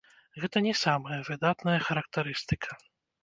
Гэта не самая выдатная характарыстыка.